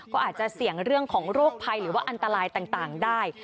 ก็อาจจะเสี่ยงเรื่องของโรคภัยหรือว่าอันตรายต่างได้